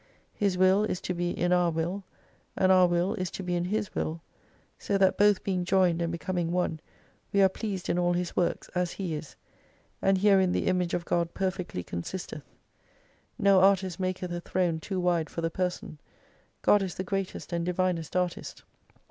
His will is to be in our will, and our will is to be in His will, so that both being joined and becoming one, we are pleased in all His works as He is ; and herein the Image of God perfectly consisteth No artist maketh a Throne too wide for* the person. God is the greatest and divinest artist.